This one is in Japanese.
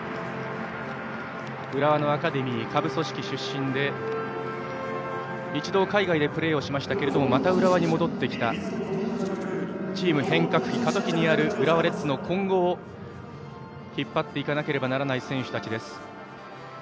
浦和のアカデミー下部組織出身で一度、海外でプレーしましたがまた浦和に戻ってきたチーム変革期、過渡期にある浦和レッズの今後を引っ張っていかなければならない選手たちです。